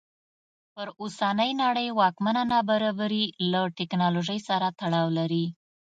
پر اوسنۍ نړۍ واکمنه نابرابري له ټکنالوژۍ سره تړاو لري.